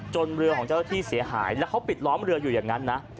เรือของเจ้าที่เสียหายแล้วเขาปิดล้อมเรืออยู่อย่างนั้นนะ